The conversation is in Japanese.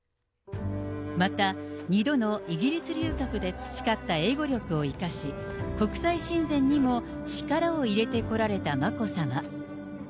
また２度のイギリス留学で培った英語力を生かし、国際親善にも力を入れてこられた眞子さま。